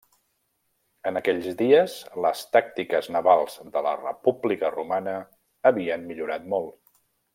En aquells dies, les tàctiques navals de la República romana havien millorat molt.